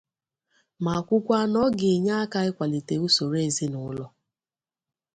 ma kwukwa na ọ ga-enye aka ịkwalite usoro ezinụlọ